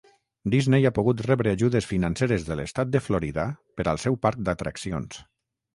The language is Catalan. Disney ha pogut rebre ajudes financeres de l'estat de Florida per al seu parc d'atraccions.